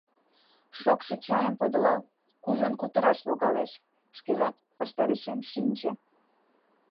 — Шокшо чайым подылал, кужун кутыраш логалеш, — шкежат ваштарешем шинче.